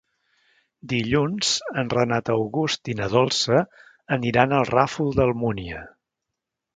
Dilluns en Renat August i na Dolça aniran al Ràfol d'Almúnia.